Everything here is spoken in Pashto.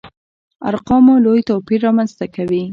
ارقامو لوی توپير رامنځته کوي.